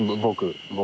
僕。